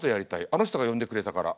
「あの人が呼んでくれたから」